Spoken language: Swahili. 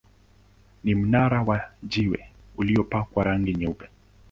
Ni mnara wa jiwe uliopakwa rangi nyeupe.